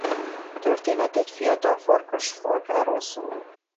A történet egy fiatal farkasfalkáról szól.